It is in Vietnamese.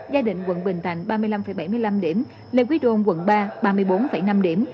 gia định quận bình thành ba mươi năm bảy mươi năm điểm lê quý đôn quận ba ba mươi bốn năm điểm